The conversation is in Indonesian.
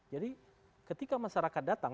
jadi ketika masyarakat datang